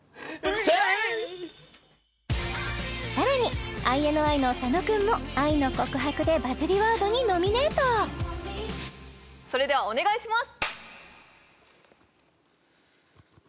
さらにＩＮＩの佐野くんも愛の告白でバズりワードにノミネートそれではお願いします